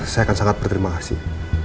saya akan sangat berterima kasih